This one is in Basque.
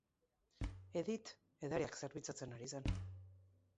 Edith edariak zerbitzatzen ari zen